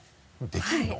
できるの？